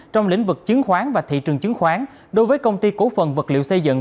trong lĩnh vực chứng khoán và thị trường chứng khoán đối với công ty cổ phần vật liệu xây dựng